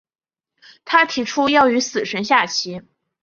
他提出要和死神下棋。